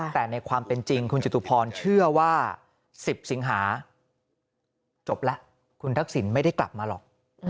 แต่ในความเป็นจริงคุณจตุพรเชื่อว่า๑๐สิงหาจบแล้วคุณทักษิณไม่ได้กลับมาหรอก